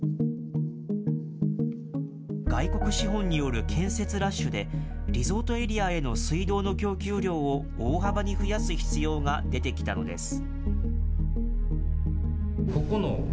外国資本による建設ラッシュで、リゾートエリアへの水道の供給量を大幅に増やす必要が出てきたのです。